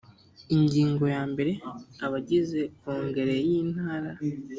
ingingo ya mbere abagize kongere y intara